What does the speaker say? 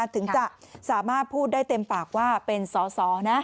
ถึงจะสามารถพูดได้เต็มปากว่าเป็นสอสอนะ